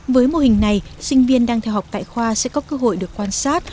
với mô hình này sinh viên đang theo học tại khoa sẽ có cơ hội được quan sát